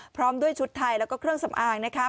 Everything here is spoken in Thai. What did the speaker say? พร้อมด้วยชุดไทยแล้วก็เครื่องสำอางนะครับ